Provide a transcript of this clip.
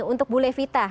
untuk bu levita